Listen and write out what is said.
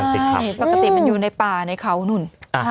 ปกติมันอยู่ในป่าในเขานู่น